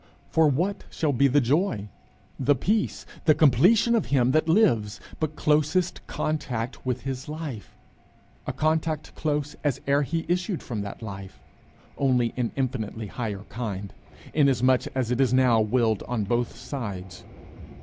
For what shall be the joy, the peace, the completion of him that lives, but closest contact with his Life? a contact close as ere he issued from that Life, only in infinitely higher kind, inasmuch as it is now willed on both sides.